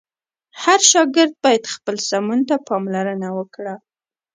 هر شاګرد باید خپل سمون ته پاملرنه وکړه.